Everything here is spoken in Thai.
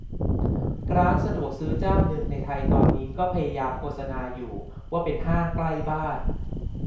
ร้านสะดวกซื้อเจ้าหนึ่งในไทยตอนนี้ก็พยายามโฆษณาอยู่ ว่าเป็น "ห้างใกล้บ้าน"